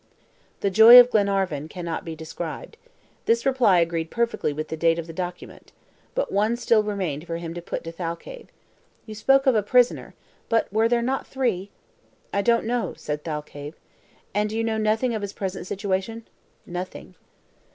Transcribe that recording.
The joy of Glenarvan can not be described. This reply agreed perfectly with the date of the document. But one question still remained for him to put to Thalcave. "You spoke of a prisoner," he said; "but were there not three?" "I don't know," said Thalcave. "And you know nothing of his present situation?" "Nothing."